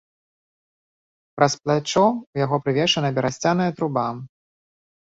Праз плячо ў яго прывешана берасцяная труба.